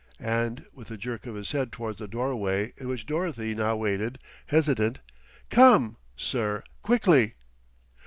And, with a jerk of his head towards the doorway, in which Dorothy now waited, hesitant: "Come, sir quickly!"